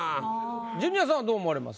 ジュニアさんはどう思われます？